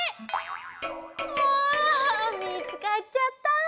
ああみつかっちゃった。